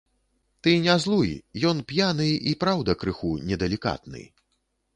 Ты не злуй, ён п'яны і, праўда, крыху недалікатны.